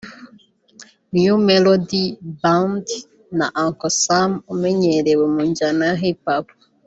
New Melody Band na Uncle Sam umeneyerewe munjyana ya Hip Hop